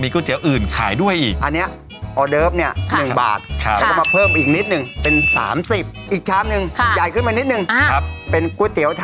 ไม่ห่วงลิขสินไม่จนลิขสิน